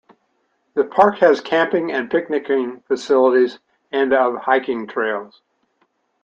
The park has camping and picnicking facilities and of hiking trails.